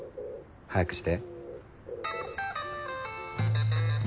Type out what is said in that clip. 早くして。